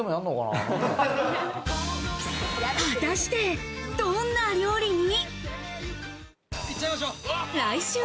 果たして、どんな料理に？